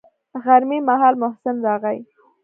غرمې مهال محسن راغى.